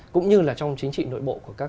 cũng như là trong chính trị nội bộ